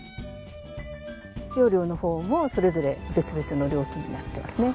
使用料のほうもそれぞれ別々の料金になってますね。